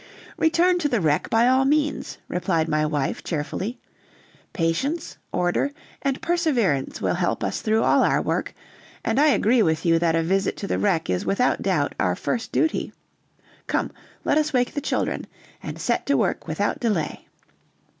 "Return to the wreck by all means," replied my wife, cheerfully. "Patience, order, and perseverance will help us through all our work, and I agree with you that a visit to the wreck is without doubt our first duty. Come, let us wake the children, and set to work without delay."